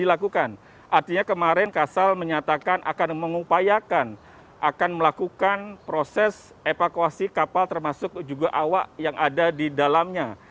artinya kemarin kasal menyatakan akan mengupayakan akan melakukan proses evakuasi kapal termasuk juga awak yang ada di dalamnya